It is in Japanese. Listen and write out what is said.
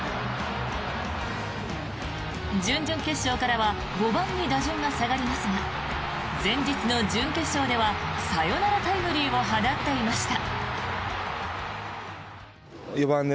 準々決勝からは５番に打順が下がりますが前日の準決勝ではサヨナラタイムリーを放っていました。